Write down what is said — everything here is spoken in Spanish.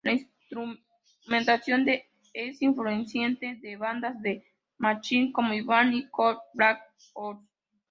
La instrumentación es influyente de bandas de Míchigan como Ivan y Coal Black Horse.